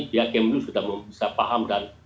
pihak kemlu sudah bisa paham dan